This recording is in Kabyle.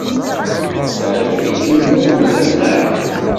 Teɛjeb-ikem Makuda, naɣ?